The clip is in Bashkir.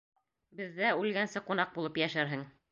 Беҙҙә үлгәнсе ҡунаҡ булып йәшәрһең.